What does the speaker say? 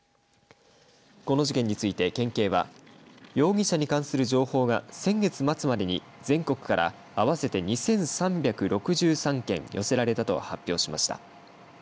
この事件について県警は容疑者に関する情報が先月末までに全国から合わせて２３６３件寄せられたと発表しました。